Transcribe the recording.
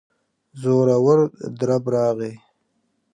زورور درب راغی.